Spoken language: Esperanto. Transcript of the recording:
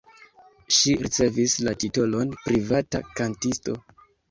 Ŝi ricevis la titolon privata kantisto.